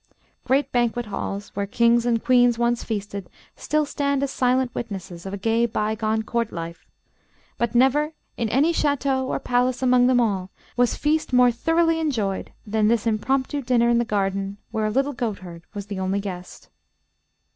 Great banquet halls, where kings and queens once feasted, still stand as silent witnesses of a gay bygone court life; but never in any château or palace among them all was feast more thoroughly enjoyed than this impromptu dinner in the garden, where a little goatherd was the only guest.